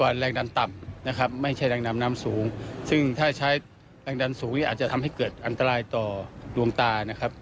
แรงดันต่ำนะครับไม่ใช่แรงดำน้ำสูงซึ่งถ้าใช้แรงดันสูงเนี่ยอาจจะทำให้เกิดอันตรายต่อดวงตานะครับ